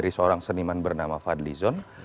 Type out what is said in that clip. dari seorang seniman bernama fadlizon